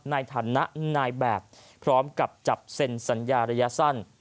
ในฐานะนายแบบพร้อมกับจับเซ็นสัญญาระยะสั้น